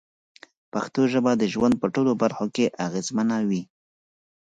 پښتو ژبه د ژوند په ټولو برخو کې اغېزمنه وي.